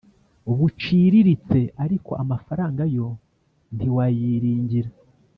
buciriritse ariko amafaranga yo ntiwayiringira